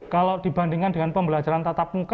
kalau dibandingkan dengan pembelajaran tatap muka